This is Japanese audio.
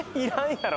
やろ